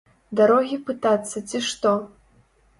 Дарогі пытацца ці што?